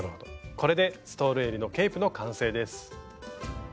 これで「ストールえりのケープ」の完成です。